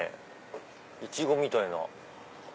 イチゴみたいな。